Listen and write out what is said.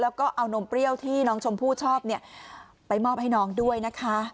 แล้วก็เอานมเปรี้ยวที่น้องชมพู่ชอบเนี่ยไปมอบให้น้องด้วยนะคะ